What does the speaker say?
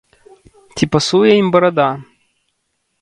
Ці пасуе ім барада?